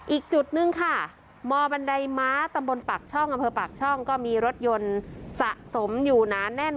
อีกจุดนึงค่ะมอบันไดม้าตำบลปากช่องก็มีรถยนต์สะสมอยู่นานแน่น